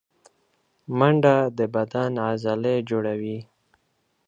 منډه د بدن عضلې جوړوي